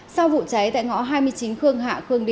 sau vụ cháy tại ngõ hai mươi chín khương hạ khương đi